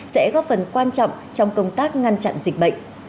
sẽ góp phần quan trọng trong công tác ngăn chặn dịch bệnh